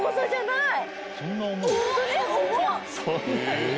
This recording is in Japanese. そんなに？